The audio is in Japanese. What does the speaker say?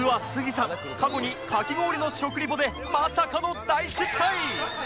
さん過去にかき氷の食リポでまさかの大失態！